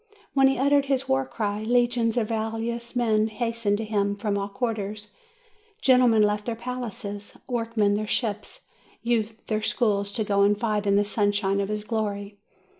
When he uttered his war cry, legions of valorous men hastened to him from all quarters ; gentlemen left their palaces, workmen their ships, youths their schools, to go and fight in the sunshine of his glory.